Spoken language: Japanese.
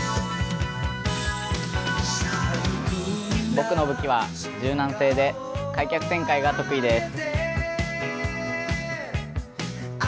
僕の武器は柔軟性で、開脚旋回が得意です。